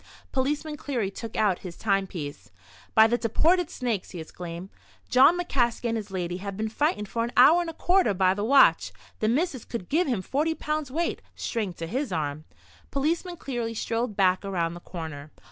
Policeman Cleary took out his timepiece. "By the deported snakes!" he exclaimed, "Jawn McCaskey and his lady have been fightin' for an hour and a quarter by the watch. The missis could give him forty pounds weight. Strength to his arm." Policeman Cleary strolled back around the corner.